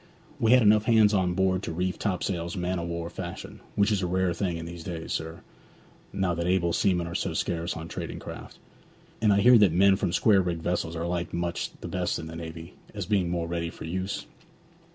We had enough hands aboard to reef topsails man o' war fashion, which is a rare thing in these days, sir, now that able seamen are so scarce on trading craft. And I hear that men from square rigged vessels are liked much the best in the navy, as being more ready for use?